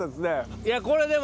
いやこれでも。